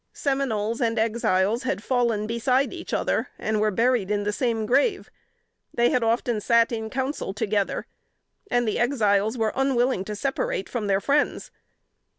Seminoles and Exiles had fallen beside each other, and were buried in the same grave; they had often sat in council together, and the Exiles were unwilling to separate from their friends.